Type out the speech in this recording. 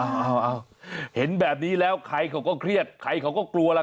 เอาเห็นแบบนี้แล้วใครเขาก็เครียดใครเขาก็กลัวล่ะ